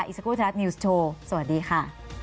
อีกสักครู่ไทยรัฐนิวส์โชว์สวัสดีค่ะ